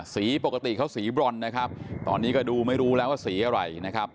ปกติเขาสีบรอนนะครับตอนนี้ก็ดูไม่รู้แล้วว่าสีอะไรนะครับ